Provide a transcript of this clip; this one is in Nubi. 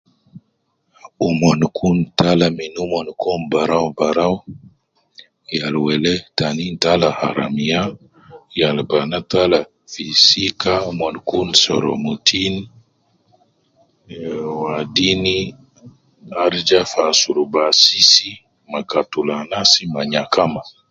Umon kun tala min umon koum barau barau, yal wele tala tanin tala haramiya, yal banaa tala fi sika Mon Kun soromutin ehh wadin arija fi asurubu asisi ma katulu anas ma nyakama.